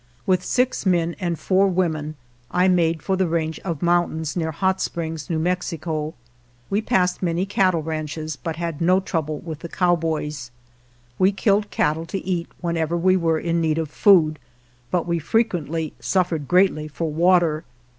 With six men and four women I made for the range of mountains near Hot Springs, New Mex ico. We passed many cattle ranches, but had no trouble with the cowboys. We killed cattle to eat whenever we were in need of food, but we frequently suffered greatly for water.